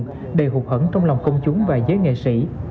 một đời hụt hẳn trong lòng công chúng và giới nghệ sĩ